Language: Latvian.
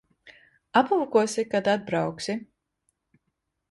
Aplūkosi, kad atbrauksi.